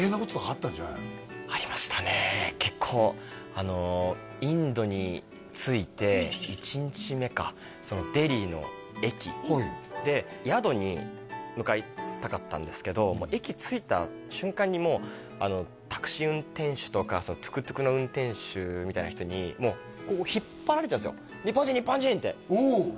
１人で結構インドに着いて１日目かデリーの駅で宿に向かいたかったんですけど駅着いた瞬間にもうタクシー運転手とかトゥクトゥクの運転手みたいな人にこう引っ張られちゃうんですよ